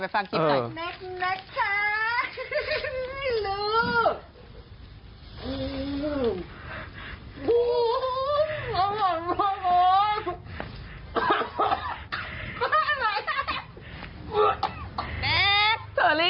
แน็กซ์เขากินไปเลยเหรออาหารปลา